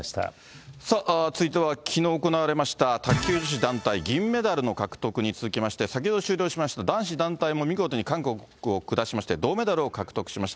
さあ、続いてはきのう行われました卓球女子団体銀メダルの獲得に続きまして、先ほど終了しました男子団体も見事に韓国を下しまして銅メダルを獲得しました。